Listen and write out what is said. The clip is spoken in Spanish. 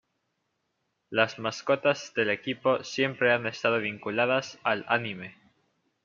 Las mascotas del equipo siempre han estado vinculadas al anime.